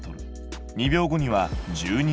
２秒後には１２ｍ。